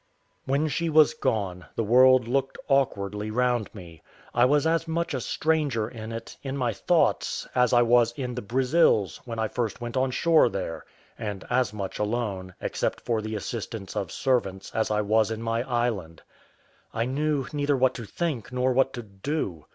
When she was gone, the world looked awkwardly round me. I was as much a stranger in it, in my thoughts, as I was in the Brazils, when I first went on shore there; and as much alone, except for the assistance of servants, as I was in my island. I knew neither what to think nor what to do.